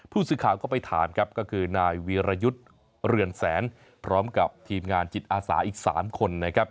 ผู้สื่อข่าวก็ไปถามครับก็คือนายวีรยุทธ์เรือนแสนพร้อมกับทีมงานจิตอาสาอีก๓คนนะครับ